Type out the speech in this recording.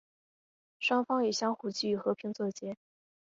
双方以相互给予和平作结。